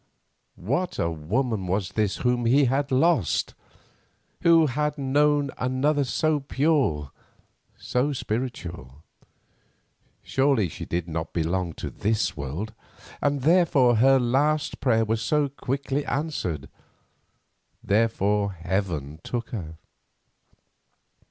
What a woman was this whom he had lost! Who had known another so pure, so spiritual? Surely she did not belong to this world, and therefore her last prayer was so quickly answered, therefore Heaven took her.